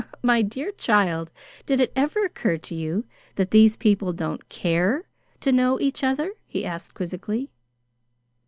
"My dear child, did it ever occur to you that these people don't CARE to know each other?" he asked quizzically.